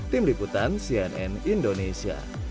tim liputan cnn indonesia